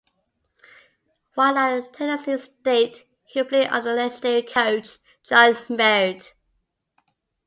While at Tennessee State, he played under legendary coach John Merritt.